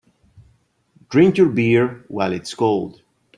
Drink your beer while it's cold.